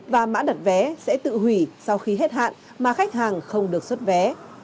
và mã đặt vé sẽ tự hủy sau khi hết hạn mà khách hàng không được xuất vé